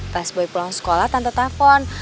pas boy pulang sekolah tante telfon